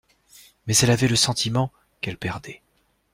Mais elle avait le sentiment qu’elle perdait.